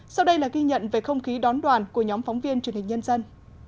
sau đây là ghi nhận về không khí đón đoàn của nhóm phóng viên truyền hình nhân dân